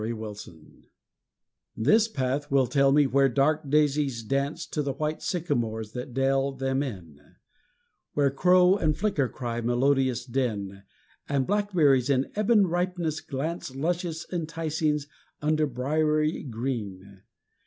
IN JULY This path will tell me where dark daisies dance To the white sycamores that dell them in; Where crow and flicker cry melodious din, And blackberries in ebon ripeness glance Luscious enticings under briery green.